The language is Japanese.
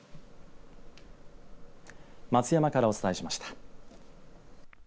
松山からお伝えしました。